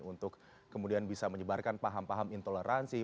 untuk kemudian bisa menyebarkan paham paham intoleransi